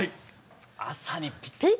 朝にぴったり！